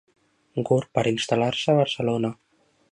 Gurb per instal.lar-se a Barcelona.